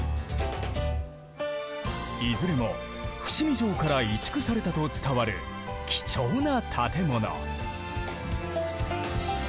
いずれも伏見城から移築されたと伝わる貴重な建物。